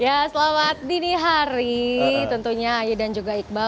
ya selamat dini hari tentunya ayu dan juga iqbal